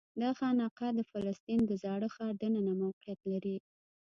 دا خانقاه د فلسطین د زاړه ښار دننه موقعیت لري.